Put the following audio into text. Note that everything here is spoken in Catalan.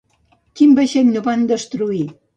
Quin vaixell no van destruir?